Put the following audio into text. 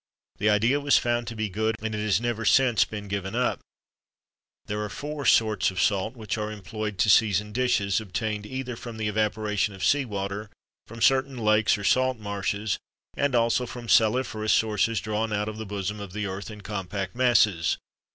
The idea was found to be good, and it has never since been given up.[XXIII 12] There are four sorts of salt which are employed to season dishes, obtained either from the evaporation of sea water, from certain lakes or salt marshes, and also from saliferous sources drawn out of the bosom of the earth in compact masses.